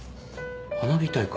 花火大会。